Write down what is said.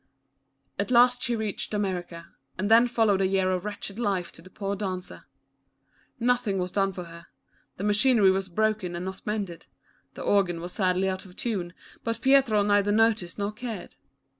At last she reached America, and then fol lowed a year of wTetched life to the poor dancer. Nothing was done for her. The machinery was broken and not mended. The organ was sadly out of tune, but Pietro neither noticed nor cared.